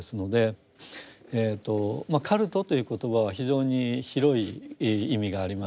カルトという言葉は非常に広い意味があります。